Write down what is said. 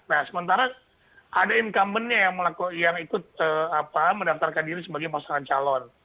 nah sementara ada incumbentnya yang ikut mendaftarkan diri sebagai pasangan calon